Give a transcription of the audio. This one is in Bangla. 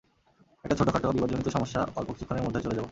একটা ছোট-খাটো বিবাদজনিত সমস্যা, অল্প কিছুক্ষণের মধ্যেই চলে যাব।